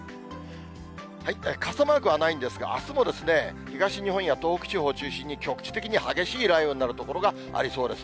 傘マークはないんですが、あすも東日本や東北地方を中心に局地的に激しい雷雨になる所がありそうです。